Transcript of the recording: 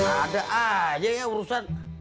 ada aja ya urusan